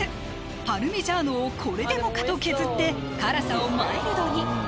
パルミジャーノをこれでもかと削って辛さをマイルドに！